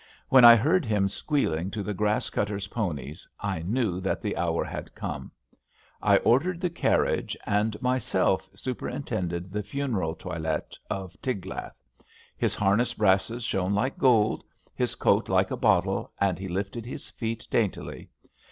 When I heard him squealing to the grass cutter's ponies I knew that the hour had come. I ordered the carriage, and myself 98 ABAFT THE FUNNEL superintended the funeral toilet of Tiglath. His harness brasses shone like gold, his coat like a bottle, and he lifted his feet daintily.